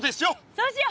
そうしよう！